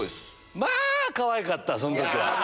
まー、かわいかった、そのときは。